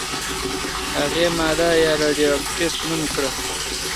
هغې ماده «راډیواکټیف» نوم کړه.